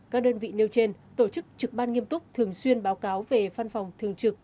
các đơn vị nêu trên tổ chức trực ban nghiêm túc thường xuyên báo cáo về văn phòng thường trực